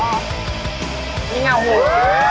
นี่ไงหัว